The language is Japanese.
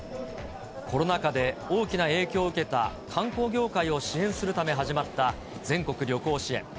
コロナ禍で大きな影響を受けた観光業界を支援するため始まった全国旅行支援。